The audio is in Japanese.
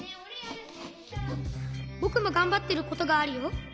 ぼくもがんばってることがあるよ。